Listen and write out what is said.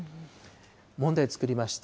問題、作りました。